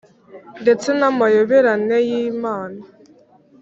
ndetse n'amayoberane y'Imana.